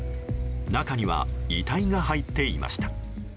中には、遺体が入っていました。